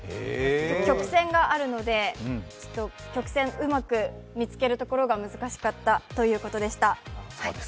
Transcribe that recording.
曲線があるので、曲線、うまく見つけるところが難しかったということです。